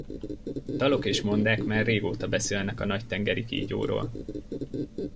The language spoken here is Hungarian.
Dalok és mondák már régóta beszélnek a nagy tengeri kígyóról.